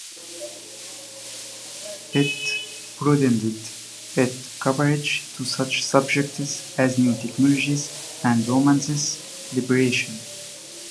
It broadened its coverage to such subjects as new technologies and women's liberation.